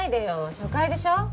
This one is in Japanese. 初回でしょ？